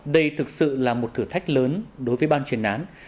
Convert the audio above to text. đây thực sự là một thử thách lớn đối với ban chuyên án